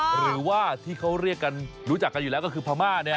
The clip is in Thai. หรือว่าที่เขาเรียกกันรู้จักกันอยู่แล้วก็คือพม่าเนี่ย